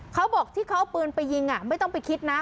เขาบอกที่เขาเอาปืนไปยิงไม่ต้องไปคิดนะ